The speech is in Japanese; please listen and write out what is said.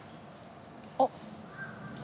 あっ。